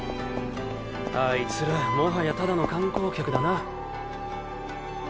あいつらもはやただの観光客だな。